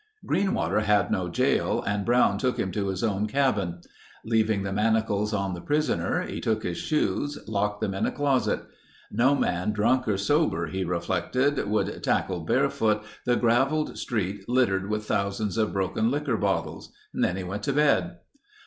Greenwater had no jail and Brown took him to his own cabin. Leaving the manacles on the prisoner he took his shoes, locked them in a closet. No man drunk or sober he reflected, would tackle barefoot the gravelled street littered with thousands of broken liquor bottles. Then he went to bed.